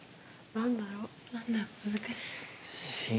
何だろう難しい。